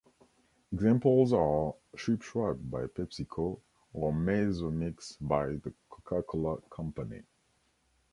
Examples are "Schwip Schwap" by PepsiCo or "Mezzo Mix" by the Coca-Cola Company.